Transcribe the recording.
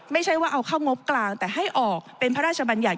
ไม่ใช่ว่าเอาเข้างบกลางแต่ให้ออกเป็นพระราชบัญญัติ